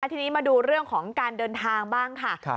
ทีนี้มาดูเรื่องของการเดินทางบ้างค่ะ